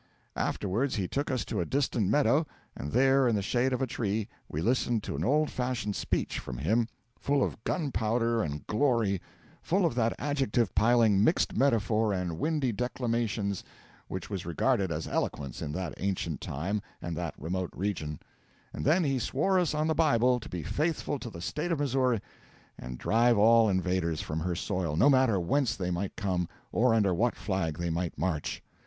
Afterwards he took us to a distant meadow, and there in the shade of a tree we listened to an old fashioned speech from him, full of gunpowder and glory, full of that adjective piling, mixed metaphor, and windy declamation which was regarded as eloquence in that ancient time and that remote region; and then he swore us on the Bible to be faithful to the State of Missouri and drive all invaders from her soil, no matter whence they might come or under what flag they might march.